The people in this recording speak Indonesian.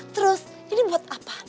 terus ini buat apa